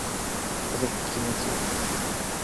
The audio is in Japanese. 風が気持ちいいです。